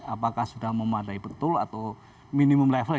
apakah sudah memadai betul atau minimum level